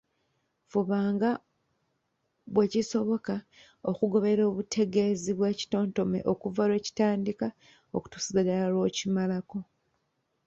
Fuba nga bwe kisoboka okugoberera obutegeezi bw’ekitontome okuva lwe kitandika okutuusiza ddala lw’okimalako.